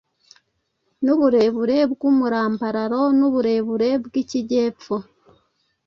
n’uburebure bw’umurambararo, n’uburebure bw’ikijyepfo,